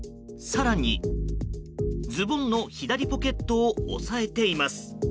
更に、ズボンの左ポケットを押さえています。